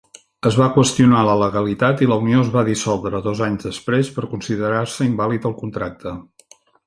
Es va qüestionar la legalitat i la unió es va dissoldre dos anys després per considerar-se invàlid el contracte.